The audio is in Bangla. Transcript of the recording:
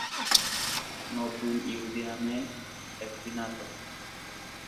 নতুন ইহুদি নামের একটা নাটক।